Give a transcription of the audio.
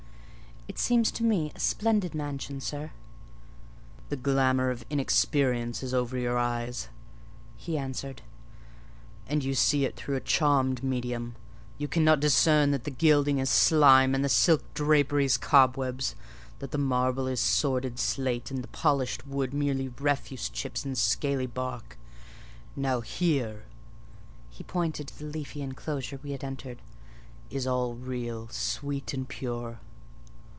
"It seems to me a splendid mansion, sir." "The glamour of inexperience is over your eyes," he answered; "and you see it through a charmed medium: you cannot discern that the gilding is slime and the silk draperies cobwebs; that the marble is sordid slate, and the polished woods mere refuse chips and scaly bark. Now here" (he pointed to the leafy enclosure we had entered) "all is real, sweet, and pure."